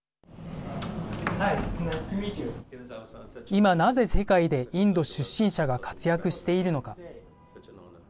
今、なぜ世界でインド出身者が活躍しているのか。